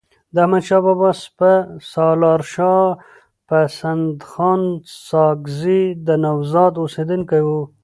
د احمدشاه بابا سپه سالارشاه پسندخان ساکزی د نوزاد اوسیدونکی وو.